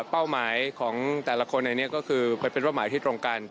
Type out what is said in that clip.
เป้าหมายของแต่ละคนเนี้ยมีประมาณที่ตรงกัน